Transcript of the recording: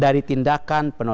dari tindakan dari perintah